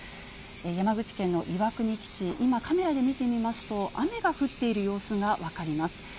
山口県の岩国基地、今、カメラで見てみますと、雨が降っている様子が分かります。